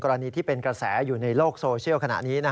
ที่เป็นกระแสอยู่ในโลกโซเชียลขณะนี้